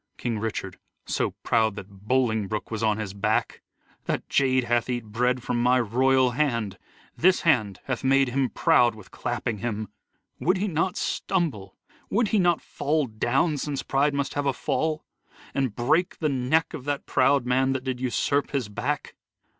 King Richard : So proud that Bolingbroke was on his back ! That jade hath eat bread from my royal hand, This hand hath made him proud with clapping him. Would he not stumble ? Would he not fall down, Since pride must have a fall, and break the neck Of that proud man that did usurp his back